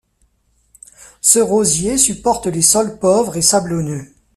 Ce rosier supporte les sols pauvres et sablonneux.